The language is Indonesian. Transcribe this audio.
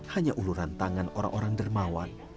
hanya uluran tangan orang orang dermawan